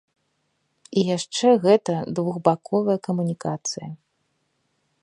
І яшчэ гэта двухбаковая камунікацыя.